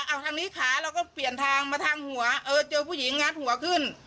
เอาทางนี้ขาเราก็เปลี่ยนทางมาทางหัวเออเจอผู้หญิงงัดหัวขึ้น